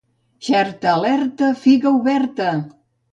Xerta alerta, figa oberta!